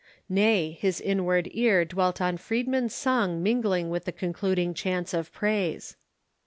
Nay, his inward ear dwelt on Friedmund's song mingling with the concluding chants of praise.